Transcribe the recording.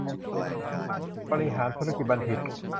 บริหารธุรกิจบัณฑิต